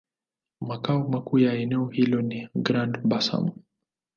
Makao makuu ya eneo hilo ni Grand-Bassam.